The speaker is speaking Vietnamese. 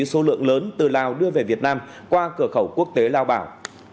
tượng lớn từ lào đưa về việt nam qua cửa khẩu quốc tế lao bảo